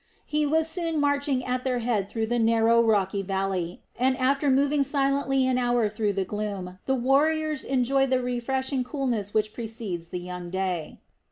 He was soon marching at their head through the narrow, rocky valley, and after moving silently an hour through the gloom the warriors enjoyed the refreshing coolness which precedes the young day.